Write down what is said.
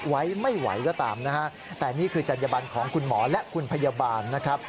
ไว้ไม่ไหวก็ตามนะฮะแต่นี่คือจัญญบันของคุณหมอและคุณพยาบาลนะครับ